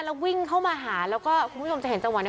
แล้ววิ่งเข้ามาหาแล้วก็คุณผู้ชมจะเห็นจังหวะนี้